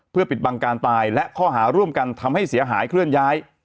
เพื่อปิดบังการตายและข้อหาร่วมกันทำให้เสียหายเคลื่อนย้าย